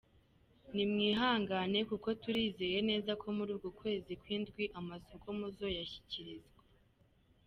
"Nimwihangane kuko turizeye neza ko muri uku kwezi kw'indwi amasoko muzoyashikirizwa.